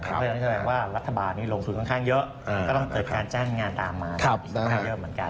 เพราะฉะนั้นแสดงว่ารัฐบาลนี้ลงทุนค่อนข้างเยอะก็ต้องเกิดการจ้างงานตามมาอีกค่อนข้างเยอะเหมือนกัน